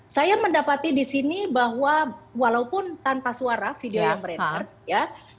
saya mendapati di sini bahwa walaupun tanpa suara video yang beredar ya